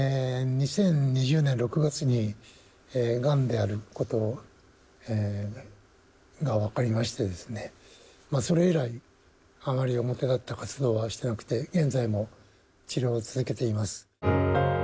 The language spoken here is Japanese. ２０２０年６月に、がんであることが分かりましてですね、それ以来、あまり表立った活動はしてなくて、現在も治療を続けています。